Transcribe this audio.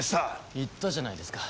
言ったじゃないですか。